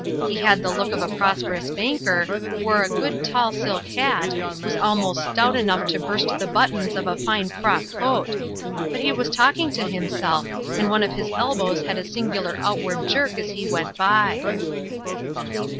He had the look of a prosperous banker, wore a good tall silk hat, was almost stout enough to burst the buttons of a fine frock coat; but he was talking to himself, and one of his elbows had a singular outward jerk as he went by.